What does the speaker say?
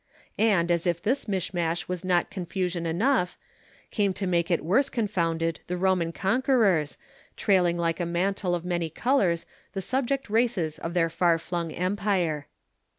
And, as if this mish mash was not confusion enough, came to make it worse confounded the Roman conquerors, trailing like a mantle of many colours the subject races of their far flung Empire.